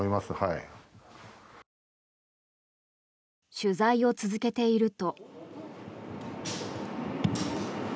取材を続けていると。